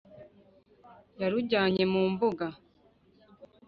yarujyanye mu mbuga